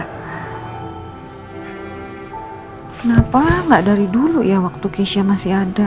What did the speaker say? kenapa nggak dari dulu ya waktu keisha masih ada